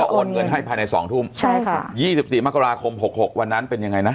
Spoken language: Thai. โอนเงินให้ภายในสองทุ่มใช่ค่ะยี่สิบสี่มกราคมหกหกวันนั้นเป็นยังไงนะ